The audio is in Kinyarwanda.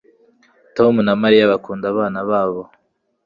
Tom na Mariya bakunda abana babo